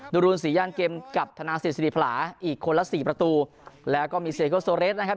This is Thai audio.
ดูรูนสี่ย่านเกมกับธนาสิทธิภลาอีกคนละสี่ประตูแล้วก็มีนะครับ